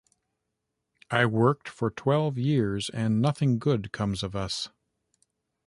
I worked for twelve years, and nothing good comes of us.